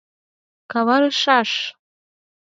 Каварышаш!..